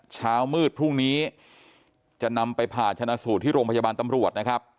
เช้ามืดพรุ่งนี้จะนำไปผ่าชนะสูตรที่โรงพยาบาลตำรวจนะครับ